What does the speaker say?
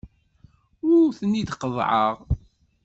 Ur ten-id-qeḍḍɛeɣ.